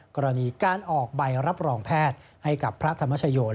กรณีการออกใบรับรองแพทย์ให้กับพระธรรมชโย